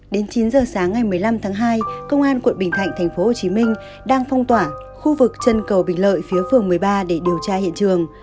đến chín giờ sáng ngày một mươi năm tháng hai công an quận bình thạnh tp hcm đang phong tỏa khu vực chân cầu bình lợi phía phường một mươi ba để điều tra hiện trường